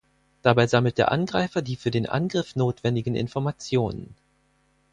Dabei sammelt der Angreifer die für den Angriff notwendigen Informationen.